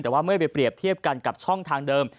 แต่ว่าเมื่อไปเปรียบเทียบกันกับช่องทางเดิม